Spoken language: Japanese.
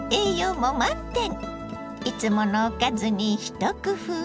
いつものおかずに一工夫。